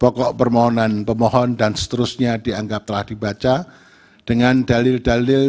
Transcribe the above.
pokok permohonan pemohon dan seterusnya dianggap telah dibaca dengan dalil dalil